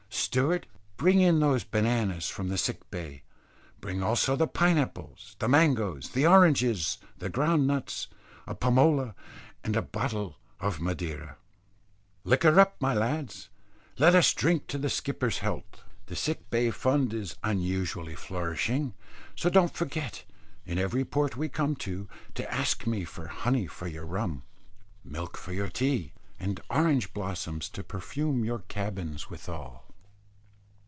Steward, bring in those bananas from the sick bay, bring also the pineapples, the mangoes, the oranges, the ground nuts, a pomola, and a bottle of madeira. Liquor up, my lads, let us drink the skipper's health. The sick bay fund is unusually flourishing, so don't forget in every port we come to, to ask me for honey for your rum, milk for your tea, and orange blossom to perfume your cabins withal."